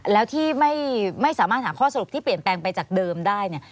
แล้วที่ไม่สามารถหาข้อสรุปที่เปลี่ยนแปลงไปจากเดิมได้เนี่ย